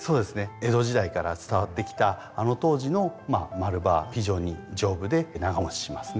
江戸時代から伝わってきたあの当時の丸葉非常に丈夫で長もちしますね。